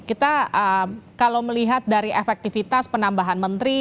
kita kalau melihat dari efektivitas penambahan menteri